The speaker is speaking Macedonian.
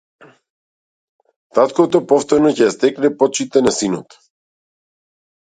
Таткото повторно ќе ја стекне почитта на синот.